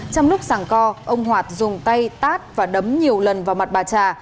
trong lúc sàng co ông hoạt dùng tay tát và đấm nhiều lần vào mặt bà trà